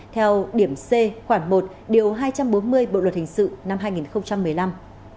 theo điểm c khoảng một điều hai trăm bốn mươi bộ luật hình sự năm hai nghìn một mươi năm